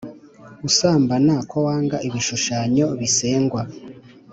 usambana Ko wanga ibishushanyo bisengwa